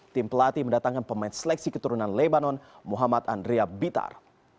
tim pelatih mendatangkan pemain seleksi keturunan lebanon muhammad andrea bitar